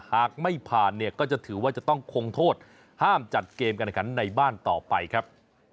หากไม่ผ่านก็จะถือว่าจะต้องคงโทษห้ามจัดเกมกันในบ้านต่อไปครับ